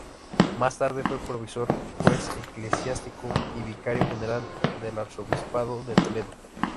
Más tarde fue provisor, juez eclesiástico y Vicario General del Arzobispado de Toledo.